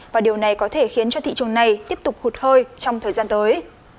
và điều này có thể khiến cho thị trường này tiếp tục hụt hơi trong thời gian tới